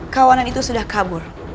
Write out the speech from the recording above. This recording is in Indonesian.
kawanan itu sudah kabur